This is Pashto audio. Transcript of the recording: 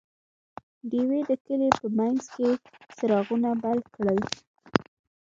ډیوې د کلي په منځ کې څراغونه بل کړل.